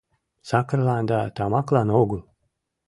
— Сакырлан да тамаклан огыл.